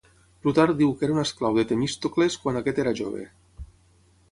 Plutarc diu que era un esclau de Temístocles quan aquest era jove.